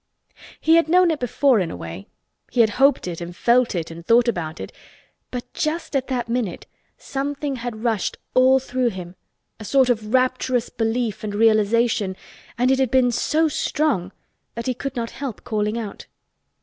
He had known it before in a way, he had hoped it and felt it and thought about it, but just at that minute something had rushed all through him—a sort of rapturous belief and realization and it had been so strong that he could not help calling out.